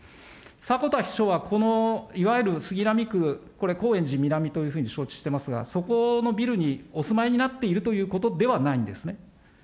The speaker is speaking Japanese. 迫田秘書は、この、いわゆる杉並区、これ、高円寺南というふうに承知してますが、そこのビルにお住まいになっているということではないんですね。